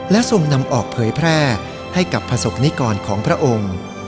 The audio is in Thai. และทรงนำออกเผยแพร่ให้กับประสบนิกรของพระองค์